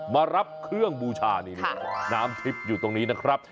มารับเครื่องบูชานี่น้ำทิพย์อยู่ตรงนี้นะครับ